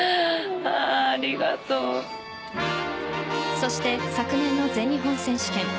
そして、昨年の全日本選手権。